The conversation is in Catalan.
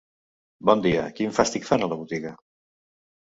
Bon dia, quin fàstic fan a la botiga?